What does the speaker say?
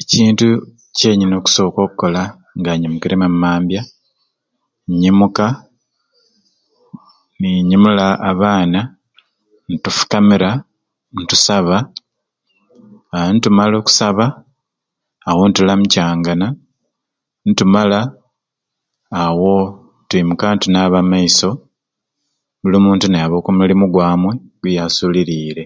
Ekintu kyenyini okusooka okukola nga nyinukire e mammambya nyimuka ninyimula abaana ni tufukamita ni tusaba a ni tumala okusaba awo ni tulamuccangana nitumala awo twimuka ni tunaaba amaiso buli muntu n'ayaba okumulimu gwamwe gweyasuliriire.